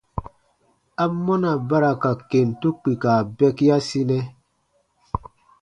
Amɔna ba ra ka kentu kpika bɛkiasinɛ?